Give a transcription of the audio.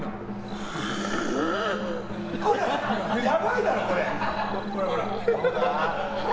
やばいだろ、これ。